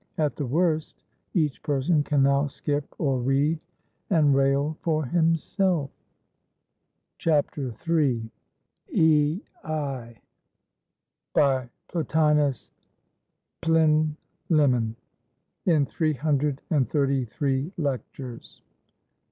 At the worst, each person can now skip, or read and rail for himself. III. "EI," BY PLOTINUS PLINLIMMON, (_In Three Hundred and Thirty three Lectures.